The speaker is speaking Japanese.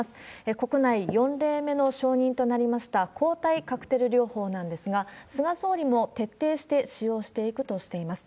国内４例目の承認となりました、抗体カクテル療法なんですが、菅総理も徹底して使用していくとしています。